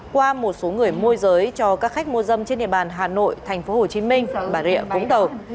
qua một số người môi giới cho các khách môi dâm trên địa bàn hà nội tp hcm bà rịa cúng tầu